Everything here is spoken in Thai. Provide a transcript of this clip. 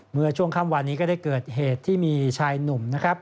เมื่อช่วงค่ำวานนี้ก็ได้เกิดเหตุที่มีชายหนุ่มนะครับ